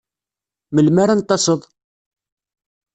Melmi ara n-taseḍ?